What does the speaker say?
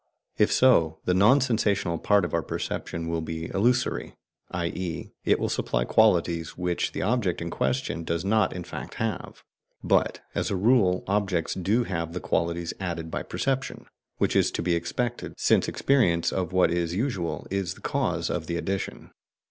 If so, the non sensational part of our perception will be illusory, i.e. it will supply qualities which the object in question does not in fact have. But as a rule objects do have the qualities added by perception, which is to be expected, since experience of what is usual is the cause of the addition.